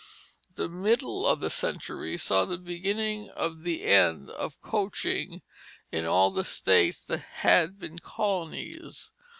The middle of the century saw the beginning of the end of coaching in all the states that had been colonies.